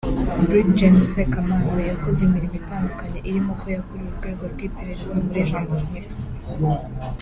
Brig Gen Sekamana Yakoze imirimo itandukanye irimo ko yakuriye Urwego rw’Iperereza muri Gendarmerie